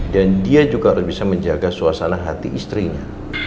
dan dia juga harus bisa menjaga suasana hati istrinya